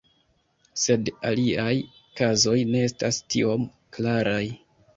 Sed aliaj kazoj ne estas tiom klaraj.